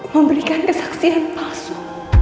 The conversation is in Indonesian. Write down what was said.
memberikan kesaksian palsu